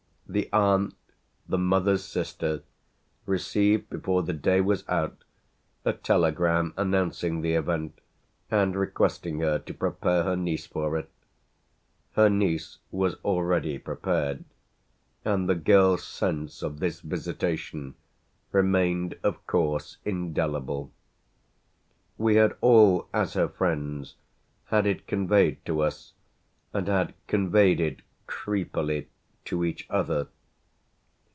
The aunt, the mother's sister, received before the day was out a telegram announcing the event and requesting her to prepare her niece for it. Her niece was already prepared, and the girl's sense of this visitation remained of course indelible. We had all as her friends had it conveyed to us and had conveyed it creepily to each other.